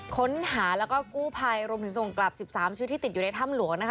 ค้นหาแล้วก็กู้ภัยรวมถึงส่งกลับ๑๓ชีวิตที่ติดอยู่ในถ้ำหลวงนะคะ